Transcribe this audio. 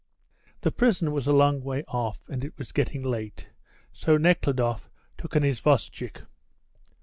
The prison was a long way off and it was getting late, so Nekhludoff took an isvostchik.